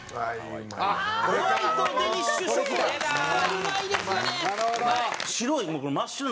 ホワイトデニッシュショコラ。